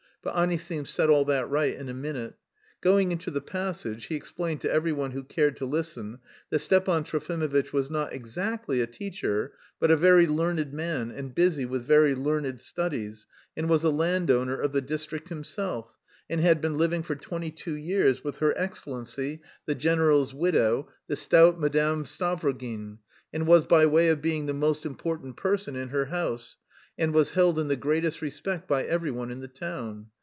But Anisim set all that right in a minute. Going into the passage he explained to every one who cared to listen that Stepan Trofimovitch was not exactly a teacher but "a very learned man and busy with very learned studies, and was a landowner of the district himself, and had been living for twenty two years with her excellency, the general's widow, the stout Madame Stavrogin, and was by way of being the most important person in her house, and was held in the greatest respect by every one in the town.